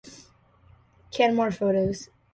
Canmore Photos